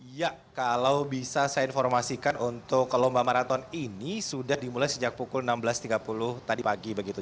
ya kalau bisa saya informasikan untuk ke lomba maraton ini sudah dimulai sejak pukul enam belas tiga puluh tadi pagi begitu